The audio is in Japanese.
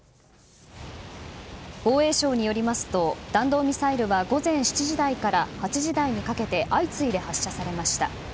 防衛省によりますと弾道ミサイルは午前７時台から８時台にかけて相次いで発射されました。